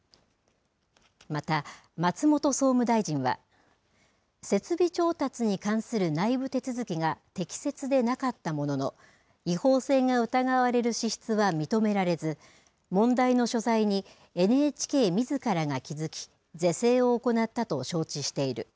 また、松本総務大臣は設備調達に関する内部手続きが適切でなかったものの違法性が疑われる支出は認められず問題の所在にＮＨＫみずからが気付き是正を行ったと承知している。